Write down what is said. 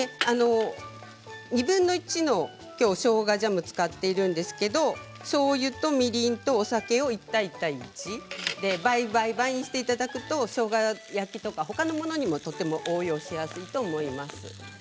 ２分の１の、しょうがジャムを使っているんですけどしょうゆとみりんとお酒を１対１対１で倍、倍、倍にしていただくとしょうが焼きとか他のものにも応用しやすいと思います。